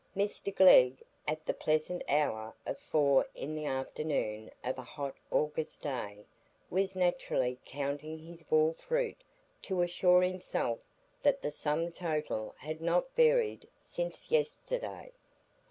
Mr Glegg, at the pleasant hour of four in the afternoon of a hot August day, was naturally counting his wall fruit to assure himself that the sum total had not varied since yesterday.